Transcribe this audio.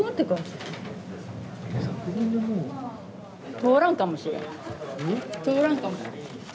通らんかもしれん。